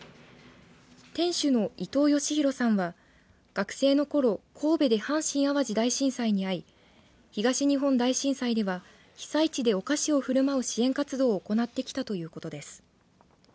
店主の伊藤嘉浩さんは学生のころ神戸で阪神淡路大震災に遭い東日本大震災では被災地でお菓子をふるまう支援活動を行ってきたということです。